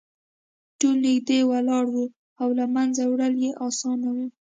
ټول نږدې ولاړ وو او له منځه وړل یې اسانه وو